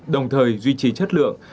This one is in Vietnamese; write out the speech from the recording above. đồng thời duy trì chất lượng